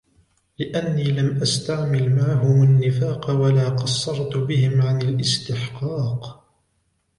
لِأَنِّي لَمْ أَسْتَعْمِلْ مَعَهُمْ النِّفَاقَ وَلَا قَصَّرْت بِهِمْ عَنْ الِاسْتِحْقَاقِ